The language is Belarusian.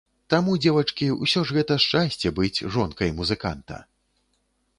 Таму, дзевачкі, усё ж гэта шчасце, быць жонкай музыканта!